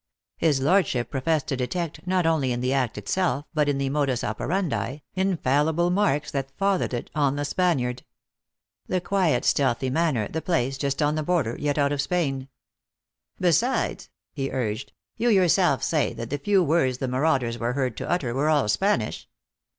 His lordship professed to detect, not only in the act itself, but in the modus operandi, infallible marks that fath ered it on the Spaniard. The quiet, stealthy manner, the place, just on the border, yet out of Spain. u Be sides," he urged, " you yourself say, that the few words the marauders were heard to utter were all Spanish."